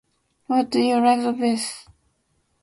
What do you like best?